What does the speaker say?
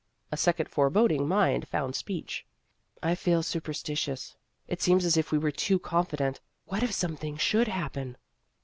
A second foreboding mind found speech: " I feel superstitious. It seems as if we were too confident. What if something should happen